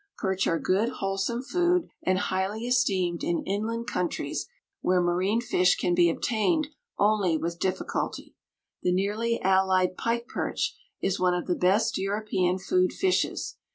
Perch are good, wholesome food and highly esteemed in inland countries where marine fish can be obtained only with difficulty. The nearly allied pike perch is one of the best European food fishes.